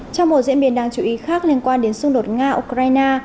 trong một diễn biến đáng chú ý khác liên quan đến xung đột nga ukraine